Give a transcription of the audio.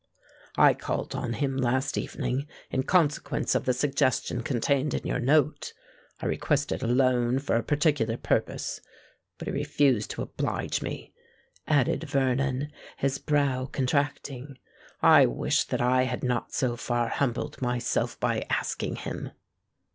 "I called on him last evening, in consequence of the suggestion contained in your note;—I requested a loan for a particular purpose;—but he refused to oblige me," added Vernon, his brow contracting. "I wish that I had not so far humbled myself by asking him."